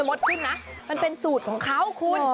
ลดขึ้นนะมันเป็นสูตรของเขาคุณ